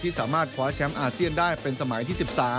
สามารถคว้าแชมป์อาเซียนได้เป็นสมัยที่๑๓